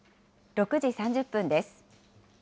６時３０分です。